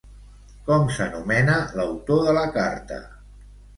Com s'anomena l'autor de la carta?